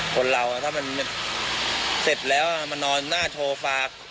คนเราถ้าเสร็จแล้วมานอนหน้าโทษฟ้า